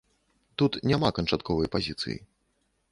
Тут няма канчатковай пазіцыі.